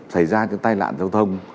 xảy ra trong tai nạn giao thông